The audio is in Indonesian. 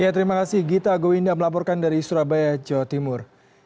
ya terima kasih gita gowinda melaporkan dari surabaya jawa timur